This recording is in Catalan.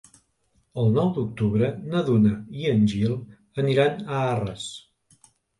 El nou d'octubre na Duna i en Gil aniran a Arres.